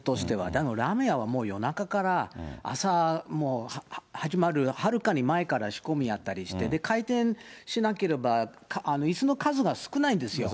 でもラーメン屋はもう夜中から朝も始まるはるかに前から仕込みやったりして、回転しなければ、いすの数が少ないんですよ。